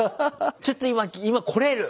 ちょっと今来れる？